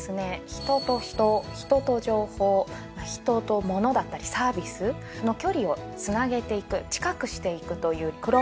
人と人人と情報人と物だったりサービスの距離をつなげていく近くしていくという。